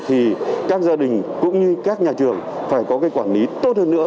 thì các gia đình cũng như các nhà trường phải có cái quản lý tốt hơn nữa